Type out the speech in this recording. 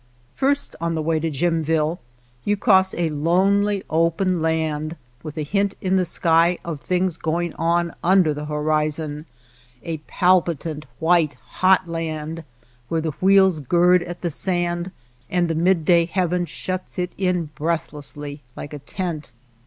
First on the way to Jimville you cross a lonely open land, with a hint in the sky of things going on under the horizon, a pal pitant, white, hot land where the wheels gird at the sand and the midday heaven shuts it in breathlessly like a tent.